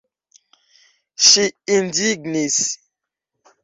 Ŝi indignis.